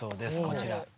こちら。